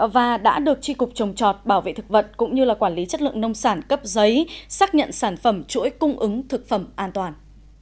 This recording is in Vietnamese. và đã được tri cục trồng trọt bảo vệ thực vật cũng như quản lý chất lượng nông sản cấp giấy xác nhận sản phẩm chuỗi cung ứng thực phẩm an toàn